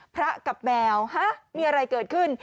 พระกับแมวฮะมีอะไรเกิดขึ้น